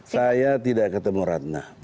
saya tidak ketemu ratna